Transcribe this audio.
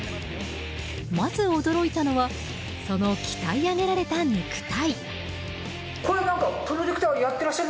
まず驚いたのはその鍛え上げられた肉体。